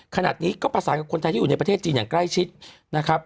ขณะนี้ก็ประสานกับคนไทยที่อยู่ในประเทศจีนอย่างใกล้ชิดนะครับ